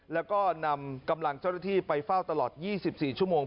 แล้วก็นำกำลังเจ้าหน้าที่ไปเฝ้าตลอด๒๔ชั่วโมง